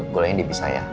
gulanya dipisah ya